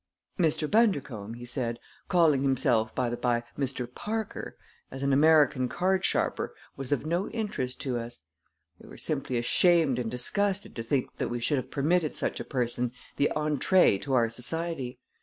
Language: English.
"Mr. Bundercombe," he said, "calling himself, by the by, Mr. Parker, as an American card sharper was of no interest to us. We were simply ashamed and disgusted to think that we should have permitted such a person the entree to our society.